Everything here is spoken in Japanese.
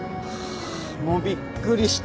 もうびっくりした。